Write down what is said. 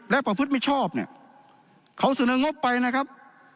และประพฤติมิชชอบเนี่ยเขาเสนองบไปนะครับ